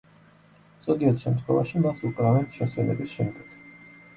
ზოგიერთ შემთხვევაში მას უკრავენ შესვენების შემდეგ.